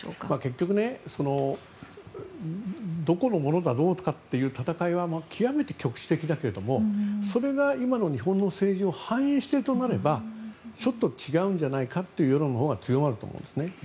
結局どこのものだろうかという戦いは極めて局地的だけどもそれが今の日本の政治を反映しているとなればちょっと違うんじゃないかという世論が強まると思います。